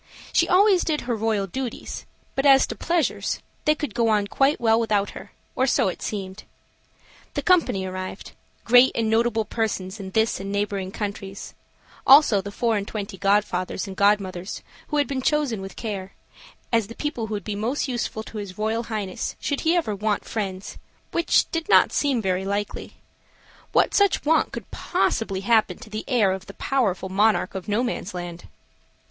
She always did her royal duties, but as to pleasures, they could go on quite well without her, or it seemed so. The company arrived: great and notable persons in this and neighboring countries; also the four and twenty godfathers and godmothers, who had been chosen with care, as the people who would be most useful to his royal highness should he ever want friends, which did not seem likely. What such want could possibly happen to the heir of the powerful monarch of Nomansland?